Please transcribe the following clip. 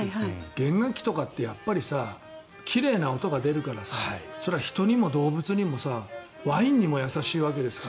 弦楽器とかってやっぱり奇麗な音が出るからそれは人にも動物にもさワインにも優しいわけですよ。